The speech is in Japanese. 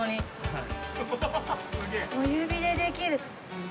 はい。